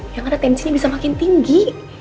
yang ada tensinya bisa makin tinggi